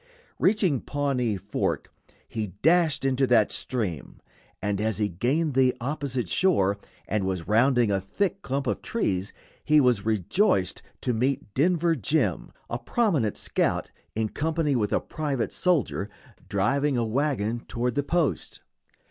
Reaching Pawnee Fork, he dashed into that stream, and as he gained the opposite shore, and was rounding a thick clump of trees, he was rejoiced to meet Denver Jim, a prominent scout, in company with a private soldier, driving a wagon toward the post.